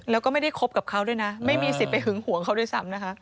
แล้วก็ไม่ได้คบกับเขาด้วยนะไม่มีสิทธิ์ไปหึงห่วงเขาด้วยซ้ำนะคะ